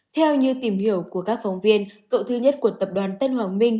theo như tìm hiểu của các phóng viên cậu thứ nhất của tập đoàn tân hoàng minh